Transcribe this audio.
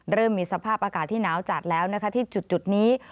เริ่มมีสภาพอากาศที่หนาวจัดแล้วนะคะที่จุดนี้